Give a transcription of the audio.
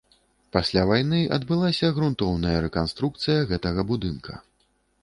Пасля вайны адбылася грунтоўная рэканструкцыя гэтага будынка.